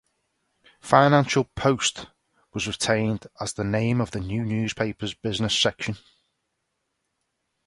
"Financial Post" was retained as the name of the new newspaper's business section.